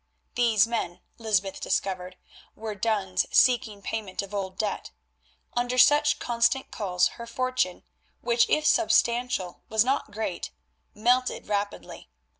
These men, Lysbeth discovered, were duns seeking payment of old debts. Under such constant calls her fortune, which if substantial was not great, melted rapidly.